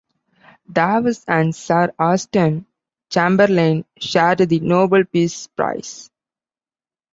Dawes and Sir Austen Chamberlain shared the Nobel Peace Prize.